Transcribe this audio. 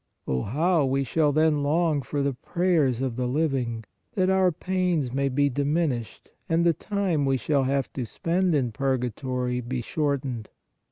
Oh, how we shall then long for the prayers of the living, that our pains may be diminished and the time we shall have to spend in purgatory be shortened